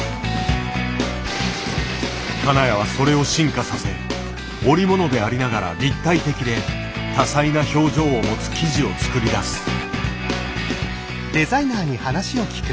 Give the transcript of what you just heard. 金谷はそれを進化させ織物でありながら立体的で多彩な表情を持つ生地を作り出す。